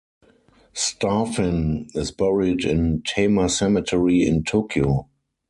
Starffin is buried in Tama Cemetery in Tokyo.